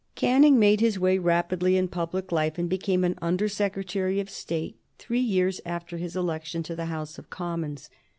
Canning made his way rapidly in public life, and became an Under Secretary of State three years after his election to the House of Commons.